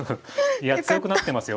いや強くなってますよ。